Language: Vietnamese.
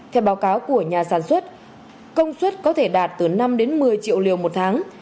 theo báo cáo của nhà sản xuất công suất có thể đạt từ năm đến một mươi triệu liều một tháng